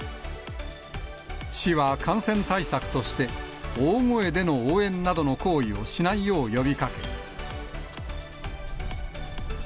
市は感染対策として、大声での応援などの行為をしないよう呼びかけ。